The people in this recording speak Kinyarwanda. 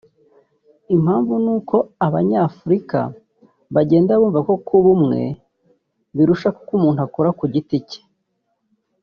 Impamvu ni uko abanyafurika bagenda bumva ko kuba umwe birusha ko umuntu akora ku giti cye